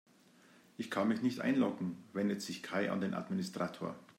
Ich kann mich nicht einloggen, wendet sich Kai an den Administrator.